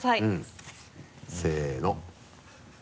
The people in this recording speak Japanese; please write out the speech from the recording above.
せの。